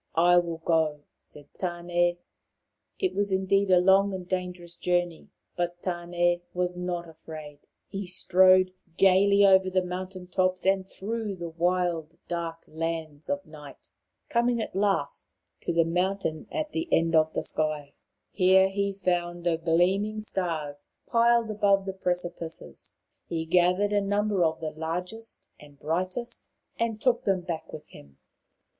" I will go," said Tane. It was indeed a long and dangerous journey, but Tan6 was not afraid. He strode gaily over the mountain tops and through the wild dark lands of night, coming at last to the mountain at the 28 Maoriland Fairy Tales end of the sky. Here he found the gleaming stars piled above the precipices. He gathered a number of the largest and brightest, and took them back with him.